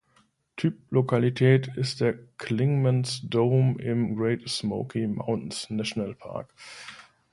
Typlokalität ist der Clingman’s Dome im Great-Smoky-Mountains-Nationalpark.